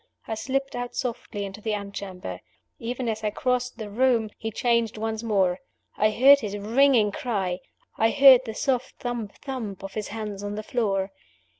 I slipped out softly into the antechamber. Even as I crossed the room, he changed once more. I heard his ringing cry; I heard the soft thump thump of his hands on the floor.